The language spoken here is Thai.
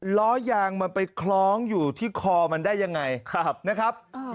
ล้อยางมันไปคล้องอยู่ที่คอมันได้ยังไงนะครับ